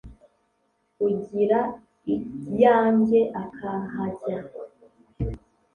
ugira iya njye ákahajya